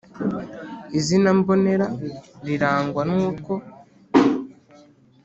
Izina mbonera rirangwa nutwo